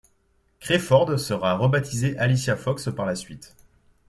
Crawford sera rebaptisée Alicia Fox par la suite.